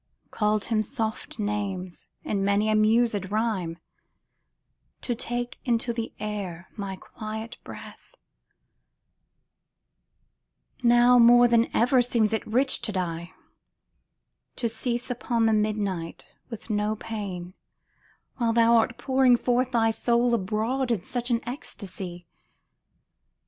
Called him soft names in many a mused rhyme, To take into the air my quiet breath ; Now more than ever seems it rich to die, To cease upon the midnight with no pain, While thou art pouring forth thy soul abroad In such an ecstasy